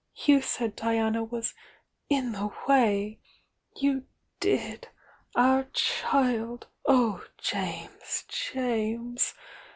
— you said Diana was 'in the way!' You did!— Our child! Oh, James, James!